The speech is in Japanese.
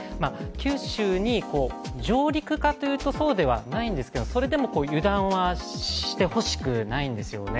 九州に上陸かというとそうではないんですがそれでも油断はしてほしくないんですよね。